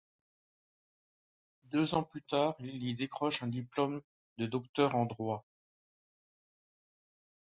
Deux ans plus tard, il y décroche un diplôme de docteur en droit.